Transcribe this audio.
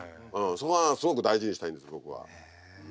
そこはすごく大事にしたいんです僕は。